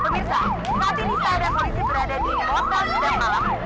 pemirsa saat ini saya dan polisi berada di kolok tol sudah malam